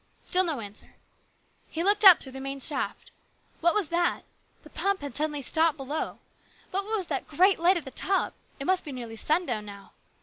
Still no answer. He looked up through the main shaft. What was that ? The pump had suddenly stopped below. But what was that great light at the top? It must be nearly sundown now.